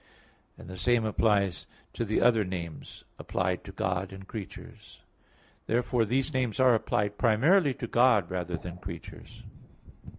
3:14,15); and the same applies to the other names applied to God and creatures. Therefore these names are applied primarily to God rather than to creatures.